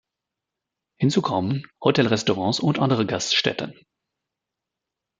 Hinzu kommen Hotelrestaurants und andere Gaststätten.